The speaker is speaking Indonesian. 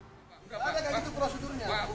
tidak ada prosedurnya